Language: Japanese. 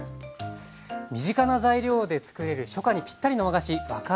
身近な材料でつくれる初夏にぴったりの和菓子若あゆ。